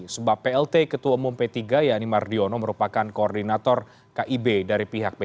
sebab plt ketua umum p tiga yani mardiono merupakan koordinator kib dari pihak p tiga